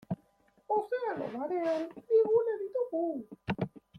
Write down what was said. Ozeano Barean bi gune ditugu.